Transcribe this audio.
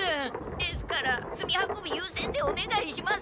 ですから炭運びゆうせんでおねがいします！